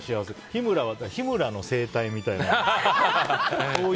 日村はって日村の生態みたいな。